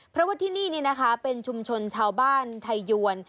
เพราะว่าที่นี่นะคะเป็นชุมชนชาวบ้านไทยยวน